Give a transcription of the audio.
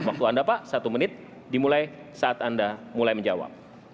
waktu anda pak satu menit dimulai saat anda mulai menjawab